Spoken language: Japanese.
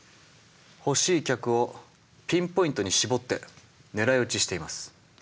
欲しい客をピンポイントに絞って狙い撃ちしています。